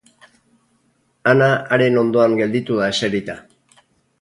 Ana haren ondoan gelditu da eserita.